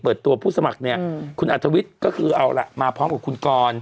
ตัวผู้สมัครเนี่ยคุณอัธวิทย์ก็คือเอาล่ะมาพร้อมกับคุณกร